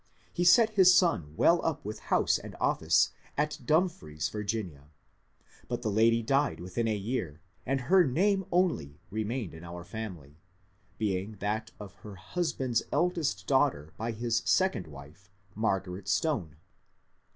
He set his son well up with house and office at Dumfries, Va. But the lady died within a year, and her name only remained in our family, being that of her husband's eldest daughter by his second wife, Margaret Stone.